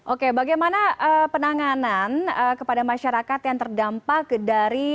oke bagaimana penanganan kepada masyarakat yang terdampak dari